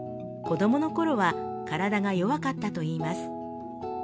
子どものころは体が弱かったといいます。